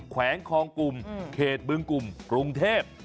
แขวงคลองกลุ่มเขตบึงกลุ่มกรุงเทพ